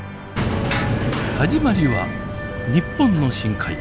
始まりは日本の深海。